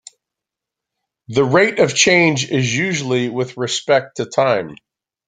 The rate of change is usually with respect to time.